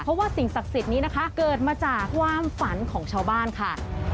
เพราะว่าสิ่งศักดิ์สิทธิ์นี้นะคะเกิดมาจากความฝันของชาวบ้านค่ะ